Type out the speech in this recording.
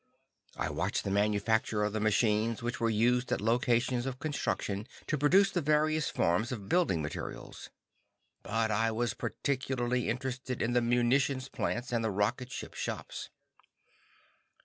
I watched the manufacture of the machines which were used at locations of construction to produce the various forms of building materials. But I was particularly interested in the munitions plants and the rocket ship shops.